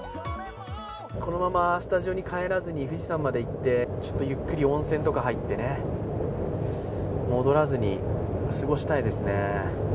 このままスタジオに帰らずに富士山に行ってちょっとゆっくり温泉とか入ってね、戻らずに過ごしたいですね。